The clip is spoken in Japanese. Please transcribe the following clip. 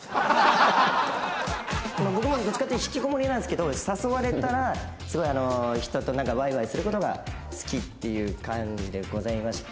僕もどっちかっていうと引きこもりなんですけど誘われたらすごい人とワイワイする事が好きっていう感じでございまして。